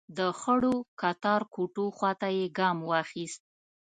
د خړو کتار کوټو خواته يې ګام واخيست.